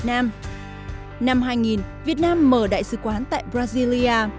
năm hai nghìn việt nam mở đại sứ quán tại brazil